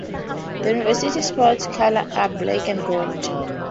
The University sports colours are black and gold.